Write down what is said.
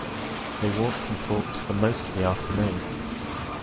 They walked and talked for most of the afternoon.